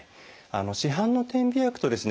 市販の点鼻薬とですね